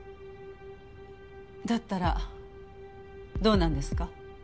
だったらどうなんですか？